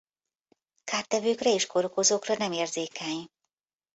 Kártevőkre és kórokozókra nem érzékeny.